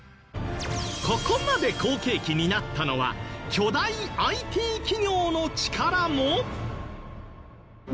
ここまで好景気になったのは巨大ＩＴ企業の力も！？